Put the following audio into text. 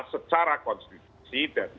secara konstitusi dan